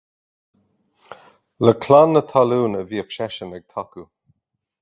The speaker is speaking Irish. Le Clann na Talún a bhíodh seisean ag tacú.